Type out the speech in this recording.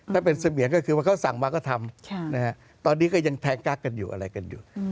ถ้าเป็นเสมียนก็คือว่าเขาสั่งมาก็ทำตอนนี้ก็ยังแทงกักกันอยู่อะไรกันอยู่